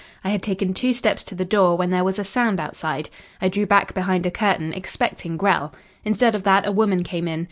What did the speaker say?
I had taken two steps to the door when there was a sound outside. I drew back behind a curtain, expecting Grell. Instead of that a woman came in.